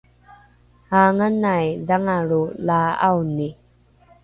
aanganai dhangalro la ’aoni